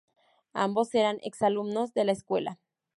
Ambos eran ex-alumnos de la escuela.